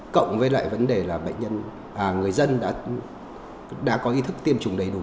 cộng với lại vấn đề là người dân đã có ý thức tiêm chủng đấy đúng không